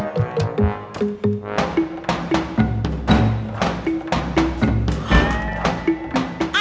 masih berani kamu